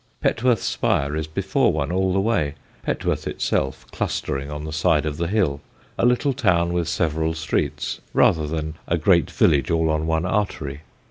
Petworth's spire is before one all the way, Petworth itself clustering on the side of the hill, a little town with several streets rather than a great village all on one artery.